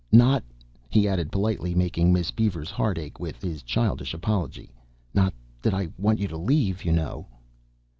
Not," he added politely, making Miss Beaver's heart ache with his childish apology, "not that I want you to leave, you know."